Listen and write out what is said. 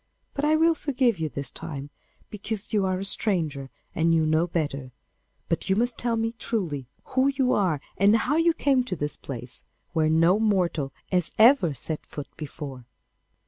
But I will forgive you this time, because you are a stranger and knew no better. But you must tell me truly who you are and how you came to this place, where no mortal has ever set foot before.